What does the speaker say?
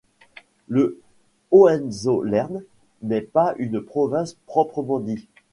Le Hohenzollern n'est pas une province proprement dit.